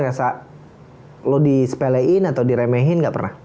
rasa lo dispelein atau diremehin gak pernah